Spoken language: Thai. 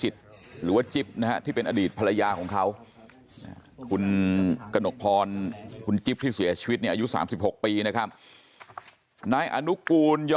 ตัดสายยากที่ท่อน้ำดี